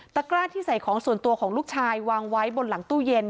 กร้าที่ใส่ของส่วนตัวของลูกชายวางไว้บนหลังตู้เย็น